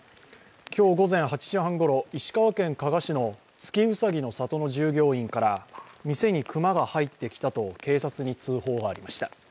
今日午前８時半ごろ、石川県加賀市の月うさぎの里の従業員から店に熊が入ってきたと警察に通報がありました。